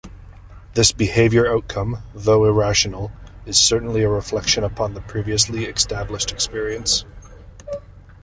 This behavior outcome, through irrational, is certainly a reflection upon the previously established experience.